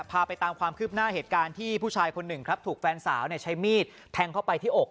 พาไปตามความคืบหน้าเหตุการณ์ที่ผู้ชายคนหนึ่งครับถูกแฟนสาวใช้มีดแทงเข้าไปที่อก